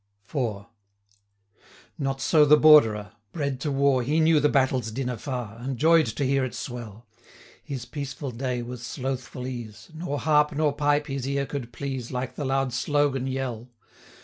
IV. Not so the Borderer: bred to war, He knew the battle's din afar, And joy'd to hear it swell. 70 His peaceful day was slothful ease; Nor harp, nor pipe, his ear could please, Like the loud slogan yell.